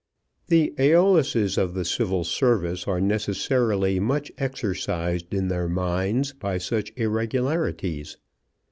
The Æoluses of the Civil Service are necessarily much exercised in their minds by such irregularities.